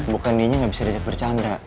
bukan dianya gak bisa dejak bercanda